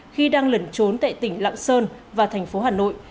khi đang lẩn trốn tại tỉnh lạng sơn và tp hà nội